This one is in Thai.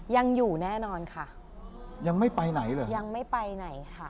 ยังอยู่แน่นอนค่ะยังไม่ไปไหนเลยยังไม่ไปไหนค่ะ